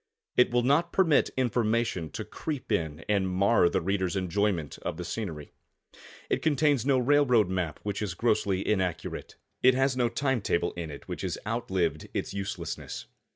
It will not permit information to creep in and mar the reader's enjoyment of the scenery. It contains no railroad map which is grossly inaccurate. It has no time table in it which has outlived its uselessness.